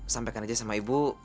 sampaikan aja sama ibu